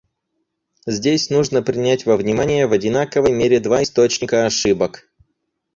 Здесь нужно принять во внимание в одинаковой мере два источника ошибок.